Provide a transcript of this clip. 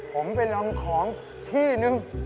ผมเป็นร่ำของที่หนึ่ง